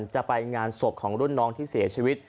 จะไปงานศพของรุ่นน้องที่เสียชีวิต